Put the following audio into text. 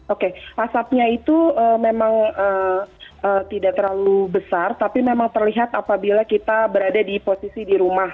oke asapnya itu memang tidak terlalu besar tapi memang terlihat apabila kita berada di posisi di rumah